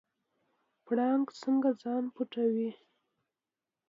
پړانګ څنګه ځان پټوي؟